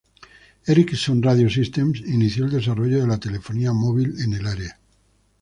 Ericsson Radio Systems inició el desarrollo de la telefonía móvil en el área.